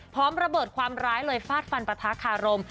พร้อมระเบิดความร้ายเลยฟาดฟันปะทะคารม